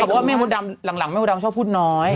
บอกว่าแม่มดดำหลังแม่มดดำชอบพูดน้อย